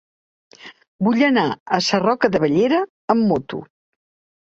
Vull anar a Sarroca de Bellera amb moto.